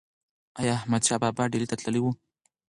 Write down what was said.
ایا احمدشاه بابا ډیلي ته تللی و؟